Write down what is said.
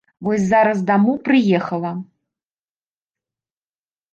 Вось зараз дамоў прыехала.